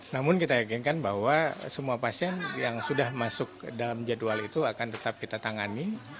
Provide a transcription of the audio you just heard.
namun kita yakinkan bahwa semua pasien yang sudah masuk dalam jadwal itu akan tetap kita tangani